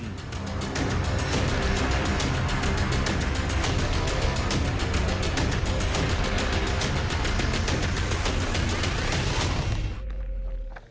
สวัสดีครับ